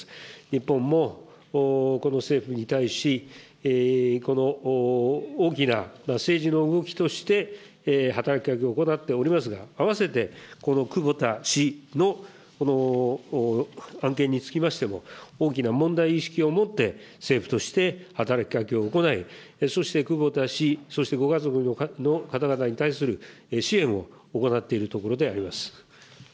日本もこの政府に対し、この大きな政治の動きとして、働きかけを行っておりますが、併せてこの久保田氏のこの案件につきましても、大きな問題意識を持って、政府として働きかけを行い、そして久保田氏、そしてご家族の方々に対する支援を行っているところであります。